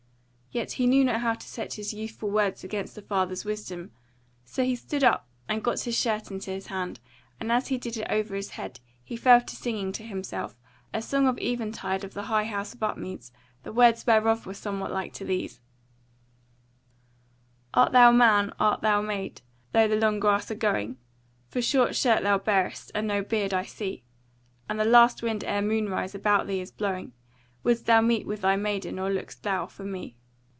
Yet he knew not how to set his youthful words against the father's wisdom; so he stood up, and got his shirt into his hand, and as he did it over his head he fell to singing to himself a song of eventide of the High House of Upmeads, the words whereof were somewhat like to these: Art thou man, art thou maid, through the long grass a going? For short shirt thou bearest, and no beard I see, And the last wind ere moonrise about thee is blowing. Would'st thou meet with thy maiden or look'st thou for me?